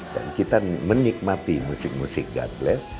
dan kita menikmati musik musik god bless